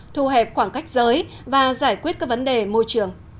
thu hẹp khoảng cách giới và giải quyết các vấn đề môi trường